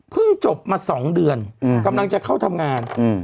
เพิ่งจบหมสองเดือนกำลังจะเข้าทำงาน